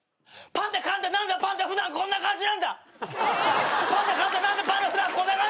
「パンダかんだ何だパンダ普段こんな感じなんだ」